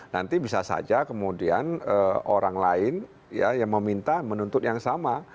nanti bisa saja kemudian orang lain yang meminta menuntut yang sama